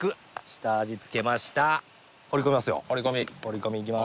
放り込みいきます